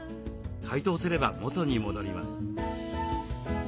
解凍すれば元に戻ります。